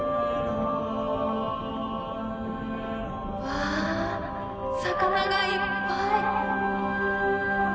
わあ魚がいっぱい！